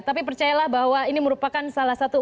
tapi percayalah bahwa ini merupakan salah satu